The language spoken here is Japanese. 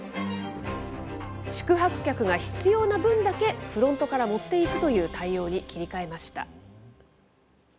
宿泊客が必要な分だけフロントから持っていくという対応に切り替えました。